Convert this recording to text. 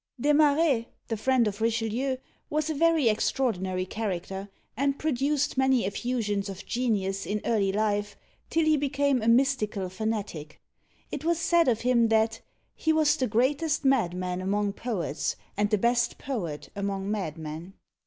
Desmarets, the friend of Richelieu, was a very extraordinary character, and produced many effusions of genius in early life, till he became a mystical fanatic. It was said of him that "he was the greatest madman among poets, and the best poet among madmen."